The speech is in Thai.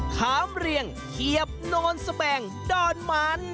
ขามเรียงเขียบโนนสแบงดอนมัน